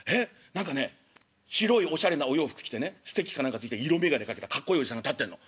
何かね白いおしゃれなお洋服着てねステッキか何かついて色眼鏡かけたかっこいいおじさんが立ってんの。